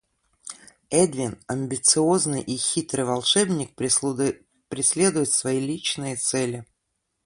Эдвин, амбициозный и хитрый волшебник, преследует свои личные цели.